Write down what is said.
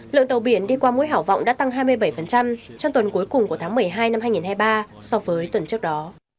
lượng tàu biển đi qua mũi hảo vọng đã tăng hai mươi bảy trong tuần cuối cùng của tháng một mươi hai năm hai nghìn hai mươi ba so với tuần trước đó